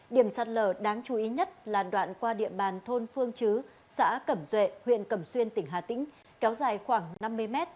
điểm sạt lở đáng chú ý nhất là đoạn qua địa bàn thôn phương chứ xã cẩm duệ huyện cẩm xuyên tỉnh hà tĩnh kéo dài khoảng năm mươi m